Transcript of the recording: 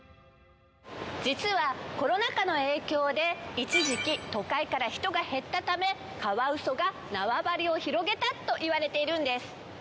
実はコロナ禍の影響で一時期都会から人が減ったためカワウソが縄張りを広げたと言われているんです。